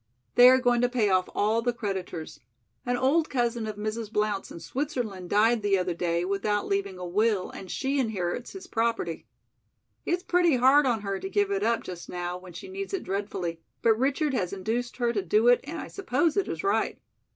"They are going to pay off all the creditors. An old cousin of Mrs. Blount's in Switzerland died the other day without leaving a will, and she inherits his property. It's pretty hard on her to give it up just now when she needs it dreadfully, but Richard has induced her to do it and I suppose it is right.